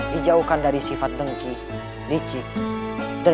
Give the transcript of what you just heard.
dijauhkan dari sifat tengkih bicar dan termsuhan